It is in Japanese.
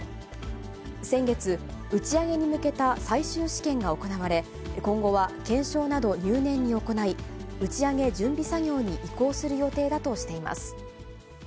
先月、打ち上げに向けた最終試験が行われ、今後は検証など、入念に行い、打ち上げ準備作業に移行する予定だとしています。